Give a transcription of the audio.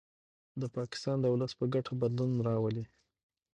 د پاکستان د ولس په ګټه بدلون راولي